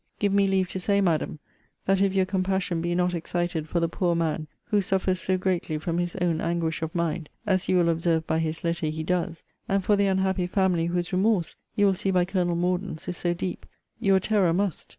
Give me leave to say, Madam, that if your compassion be not excited for the poor man who suffers so greatly from his own anguish of mind, as you will observe by his letter he does; and for the unhappy family, whose remorse, you will see by Colonel Morden's, is so deep; your terror must.